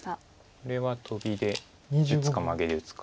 これはトビで打つかマゲで打つか。